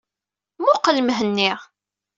Mmuqqel Mhenni.